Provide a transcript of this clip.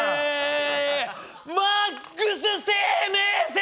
マックス生命線！